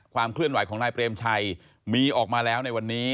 เคลื่อนไหวของนายเปรมชัยมีออกมาแล้วในวันนี้